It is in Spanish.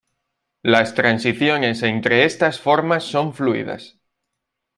Las transiciones entre estas formas son fluidas.